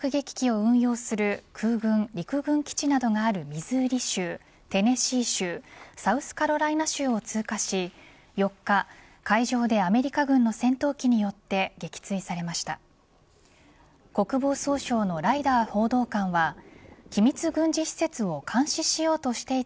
空軍、陸軍基地などがあるミズーリ州テネシー州サウスカロライナ州を通過し４日、海上でアメリカ軍の戦闘機によって撃墜されました。